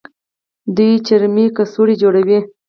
دوی چرمي کڅوړې جوړوي.